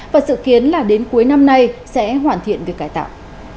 và sự kiến là đến cuối năm nay sẽ hoàn thiện việc cải tạo